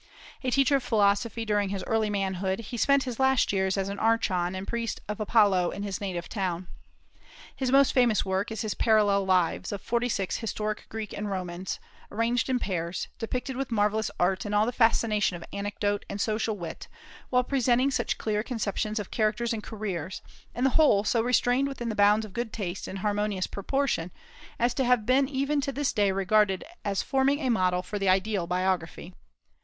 A teacher of philosophy during his early manhood, he spent his last years as archon and priest of Apollo in his native town. His most famous work is his "Parallel Lives" of forty six historic Greeks and Romans, arranged in pairs, depicted with marvellous art and all the fascination of anecdote and social wit, while presenting such clear conceptions of characters and careers, and the whole so restrained within the bounds of good taste and harmonious proportion, as to have been even to this day regarded as forming a model for the ideal biography.